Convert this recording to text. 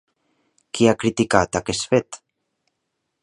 Qui ha criticat aquest fet?